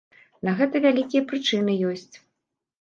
На гэта вялікія прычыны ёсць!